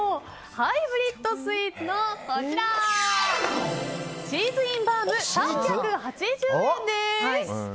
ハイブリッドスイーツのチーズインバウム、３８０円です。